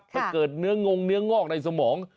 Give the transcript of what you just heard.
เกิดเนื้องงเนื้องอกในสมอง